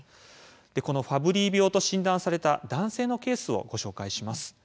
このファブリー病と診断された男性のケースをご紹介します。